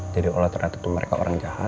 jadi kalau ternyata mereka orang jahat